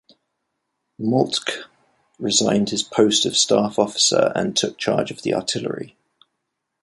Moltke resigned his post of staff officer and took charge of the artillery.